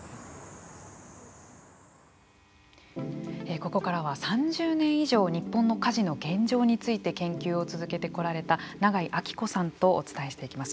ここからは３０年以上日本の家事の現状について研究を続けてこられた永井暁子さんとお伝えしていきます。